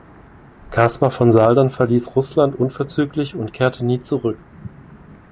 Caspar von Saldern verließ Russland unverzüglich und kehrte nie zurück.